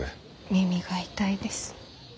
耳が痛いです。